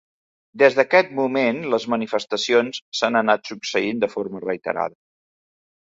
Des d'aquest moment les manifestacions s'han anat succeint de forma reiterada.